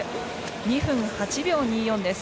２分８秒２４です。